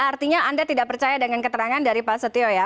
artinya anda tidak percaya dengan keterangan dari pak setio ya